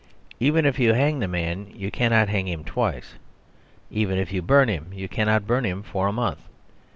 Even if you hang the man, you cannot hang him twice. Even if you burn him, you cannot burn him for a month.